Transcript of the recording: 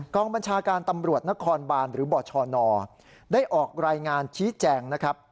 บัญชาการตำรวจนครบานหรือบชนได้ออกรายงานชี้แจงนะครับ